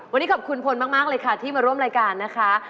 วันนี้ขอบคุณพลมากเลยค่ะที่มาร่วมรายการนะคะ